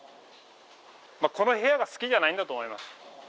まあこの部屋が好きじゃないんだと思います。